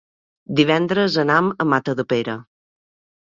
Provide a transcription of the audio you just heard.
Divendres anam a Matadepera.